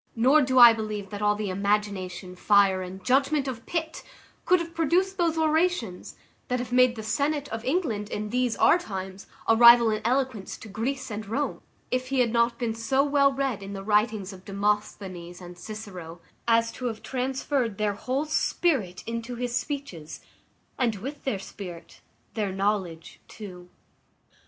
Nor do I believe that all the imagination, fire, and judgment of Pitt, could have produced those orations that have made the senate of England, in these our times, a rival in eloquence to Greece and Rome, if he had not been so well read in the writings of Demosthenes and Cicero, as to have transferred their whole spirit into his speeches, and, with their spirit, their knowledge too.